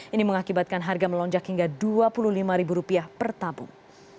ini mengakibatkan harga melonjak hingga rp dua puluh lima per tabung